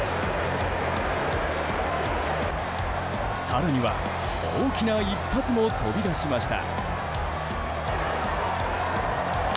更には、大きな一発も飛び出しました。